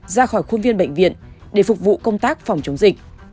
ra khỏi khuôn viên bệnh viện để phục vụ công tác phòng chống dịch